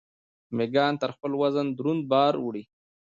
میږیان تر خپل وزن دروند بار وړي